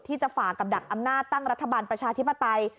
ที่จะฝากกับดักอำนาจตั้งรัฐบาลประชาธิปไตย